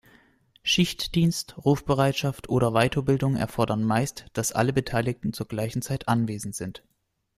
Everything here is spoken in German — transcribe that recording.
Schichtdienst, Rufbereitschaft oder Weiterbildungen erfordern meist, dass alle Beteiligten zur gleichen Zeit anwesend sind.